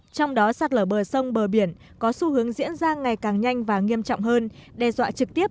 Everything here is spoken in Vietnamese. trong đó sạt lở bờ sông bờ biển có xu hướng diễn ra ngày càng nhanh và nghiêm trọng hơn đe dọa trực tiếp